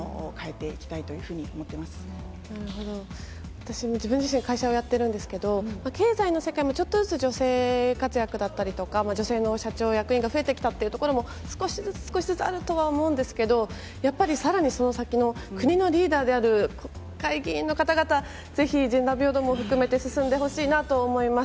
私も自分自身、会社をやってるんですけど、経済の世界もちょっとずつ女性活躍だったりとか、女性の社長、役員が増えてきたというところも少しずつ少しずつあるとは思うんですけど、やっぱり、さらにその先の国のリーダーである国会議員の方々、ぜひ、ジェンダー平等も含めて進めてほしいなと思います。